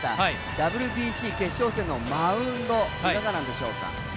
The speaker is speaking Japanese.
ＷＢＣ決勝戦のマウンドいかがなんでしょうか。